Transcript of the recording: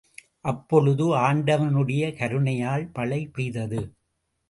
அப்பொழுது ஆண்டவனுடைய கருணையால் மழை பெய்தது.